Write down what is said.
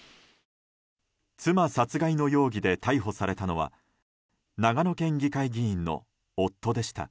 妻殺害の容疑で逮捕されたのは長野県議会議員の夫でした。